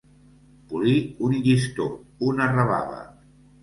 Polir un llistó, una rebava.